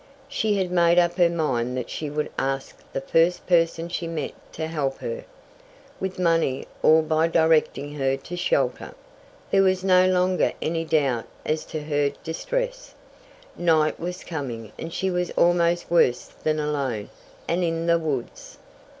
She had made up her mind that she would ask the first person she met to help her, with money or by directing her to shelter. There was no longer any doubt as to her distress night was coming and she was almost worse than alone, and in the woods.